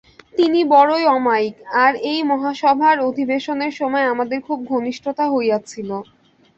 তিনি বড়ই অমায়িক, আর এই মহাসভার অধিবেশনের সময় আমাদের খুব ঘনিষ্ঠতা হইয়াছিল।